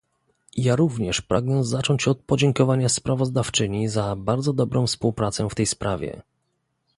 Ja również pragnę zacząć od podziękowania sprawozdawczyni za bardzo dobrą współpracę w tej sprawie